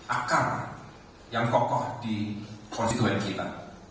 akar yang kokoh di konstituen kita